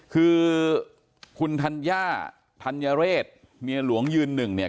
คือคุณธัญญาธัญเรศเมียหลวงยืนหนึ่งเนี่ย